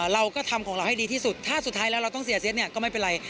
เราก็ทำของเราให้ดีที่สุดถ้าสุดท้ายแล้วเราต้องเสียเซ็ตเนี่ยก็ไม่เป็นไร